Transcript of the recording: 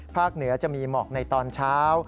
เหนือจะมีหมอกในตอนเช้า